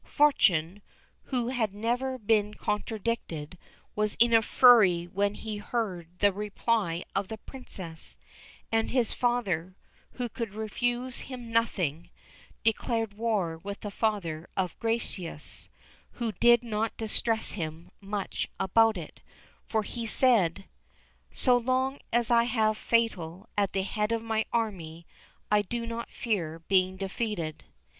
Fortuné, who had never been contradicted, was in a fury when he heard the reply of the Princess; and his father, who could refuse him nothing, declared war with the father of Gracieuse, who did not distress himself much about it, for he said, "So long as I have Fatal at the head of my army, I do not fear being defeated."